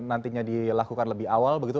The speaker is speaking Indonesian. nantinya dilakukan lebih awal begitu